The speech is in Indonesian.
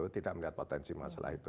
tidak melihat potensi masalah itu